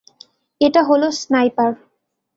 এটা হলো স্নাইপার।